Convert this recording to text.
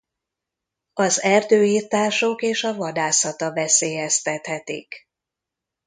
Az erdőirtások és a vadászata veszélyeztethetik.